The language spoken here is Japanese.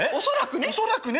恐らくね。